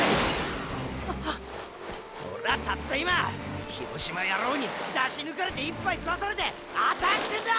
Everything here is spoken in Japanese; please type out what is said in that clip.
オレはたった今広島ヤロウに出し抜かれて一杯食わされて頭来てんだ！